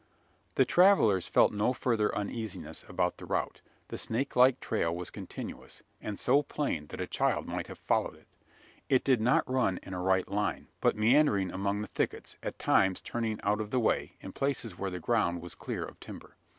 The travellers felt no further uneasiness about the route. The snake like trail was continuous; and so plain that a child might have followed it. It did not run in a right line, but meandering among the thickets; at times turning out of the way, in places where the ground was clear of timber.